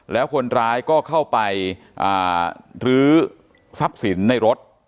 แล้วคนร้ายก็เข้าไปลื้อทรัพย์สินในรถ